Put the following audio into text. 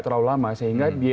terlalu lama sehingga